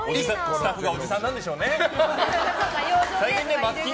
スタッフがおじさんなんでしょうね。